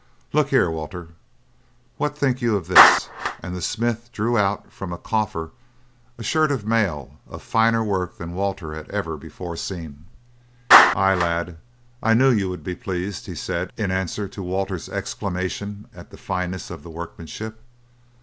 Look here, Walter. What think you of this?" and the smith drew out from a coffer a shirt of mail of finer work than Walter had ever before seen. "Aye, lad, I knew you would be pleased," he said in answer to Walter's exclamation at the fineness of the workmanship.